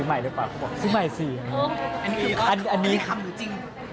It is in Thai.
นี่เค้ามีคำนี่จริง